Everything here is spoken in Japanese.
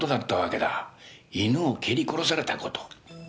犬を蹴り殺された事。